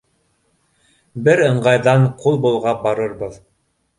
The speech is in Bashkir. Бер ыңғайҙан ҡул болғап барырбыҙ.